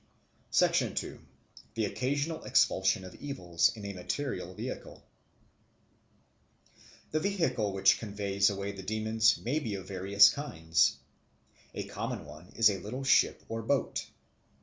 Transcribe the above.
2. The Occasional Expulsion of Evils in a Material Vehicle THE VEHICLE which conveys away the demons may be of various kinds. A common one is a little ship or boat.